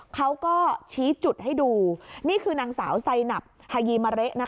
เขาก็ชี้จุดให้ดูนี่คือนางสาวไซนับฮายีมะเละ